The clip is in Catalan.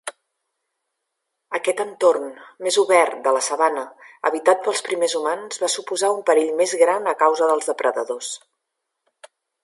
Aquest entorn més obert de la sabana habitat pels primers humans va suposar un perill més gran a causa dels depredadors.